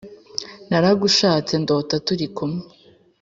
naragushatse ndota turi kumwe